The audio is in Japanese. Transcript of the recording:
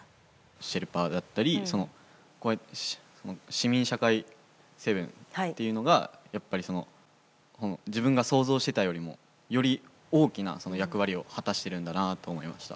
シェルパだったり市民社会セブンというのがやっぱり自分が想像してたよりもより大きな役割を果たしてるんだなと思いました。